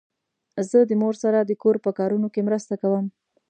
زه د مور سره د کور په کارونو کې مرسته کوم.